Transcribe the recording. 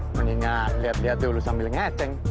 mengingat lihat lihat dulu sambil ngeceng